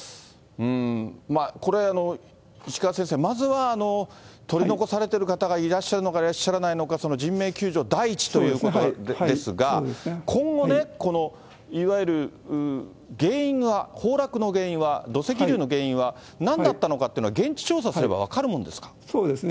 これ、石川先生、まずは取り残されてる方がいらっしゃるのか、いらっしゃらないのか、人命救助第一ということですが、今後ね、いわゆる原因が、崩落の原因は、土石流の原因はなんだったのかっていうのは、現地調査すれば分かるもんですか？